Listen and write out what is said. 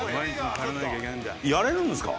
やれるんですか？